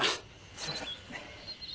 すみません。